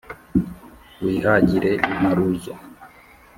Wihagire imparuzo,